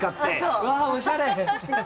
うわ、おしゃれ！